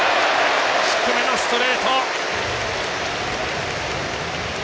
低めのストレート！